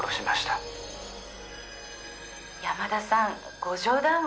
「山田さんご冗談は」